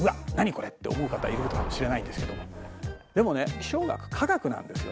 これって思う方いるかもしれないんですけどもでもね気象学科学なんですよね。